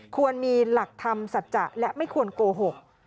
ควรมีหลักธรรมสัจจะและไม่ควรโกหก